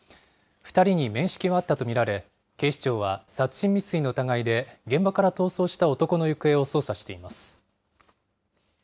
２人に面識はあったと見られ、警視庁は殺人未遂の疑いで、現場から逃走した男の行方を捜査しています。